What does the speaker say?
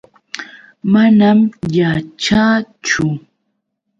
Manam yaćhaachu.